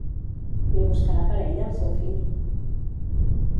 Li buscarà parella al seu fill?